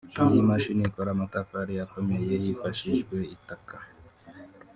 Iyi mashini ikora amatafari akomeye hifashishijwe itaka